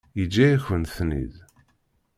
Yeǧǧa-yakent-ten-id.